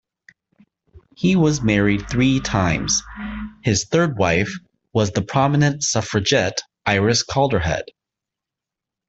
He was married three times; his third wife was the prominent suffragette Iris Calderhead.